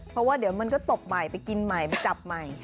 เพราะว่าเดี๋ยวมันก็ตบใหม่ไปกินใหม่ไปจับใหม่